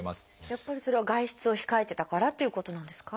やっぱりそれは外出を控えてたからということなんですか？